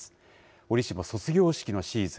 折しも卒業式のシーズン。